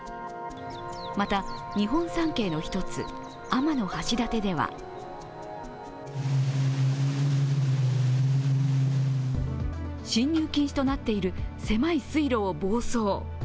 また、日本三景の１つ、天橋立では進入禁止となっている狭い水路を暴走。